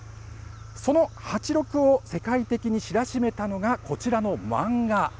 そのハチロクを世界的に知らしめたのがこちらの漫画。